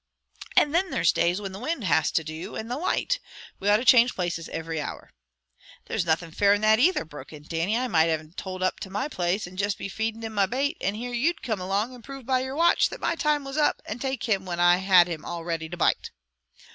And thin there's days whin the wind has to do, and the light. We ought to change places ivery hour." "There's nothing fair in that either," broke in Dannie. "I might have him tolled up to my place, and juist be feedin' him my bait, and here you'd come along and prove by your watch that my time was up, and take him when I had him all ready to bite."